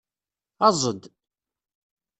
Aẓ-d.